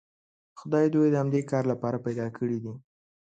خدای دوی د همدې کار لپاره پیدا کړي دي.